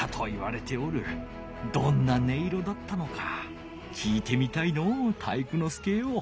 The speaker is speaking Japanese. どんな音色だったのかきいてみたいのう体育ノ介よ。